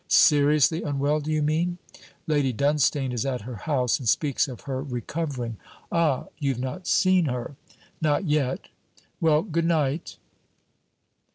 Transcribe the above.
'Seriously unwell, do you mean?' 'Lady Dunstane is at her house, and speaks of her recovering.' 'Ah. You've not seen her?' 'Not yet.' 'Well, good night.'